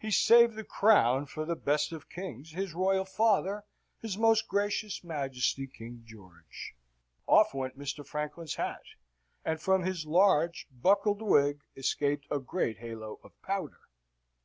He saved the crown for the best of kings, his royal father, his Most Gracious Majesty King George." Off went Mr. Franklin's hat, and from his large buckled wig escaped a great halo of powder.